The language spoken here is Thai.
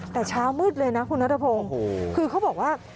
แต่เช้ามืดเลยนะคุณนัทพงศ์คือเขาบอกว่า